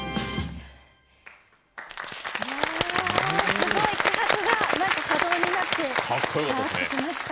すごい！気迫が波動になって伝わってきました。